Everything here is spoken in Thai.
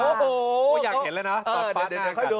โหงอยากเห็นแล้วนะ